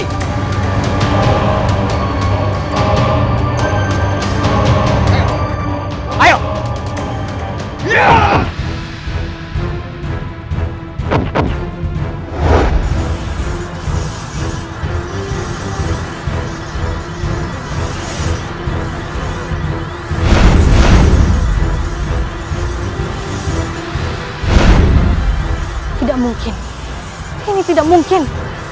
ini tidak mungkin